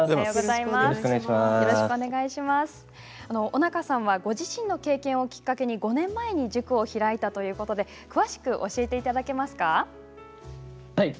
尾中さんはご自身の経験をきっかけに５年前に塾を開いたということで詳しく教えていただけますか。